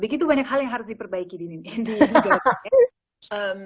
begitu banyak hal yang harus diperbaiki di indonesia